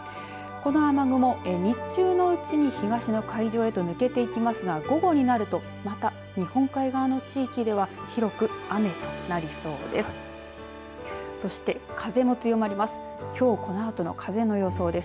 この雨雲、日中のうちに東の海上へ抜けていきますが午後になるとまた、日本海側の地域では広く雨となりそうです。